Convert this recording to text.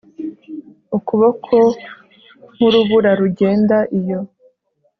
ukuboko nkurubura rugenda iyo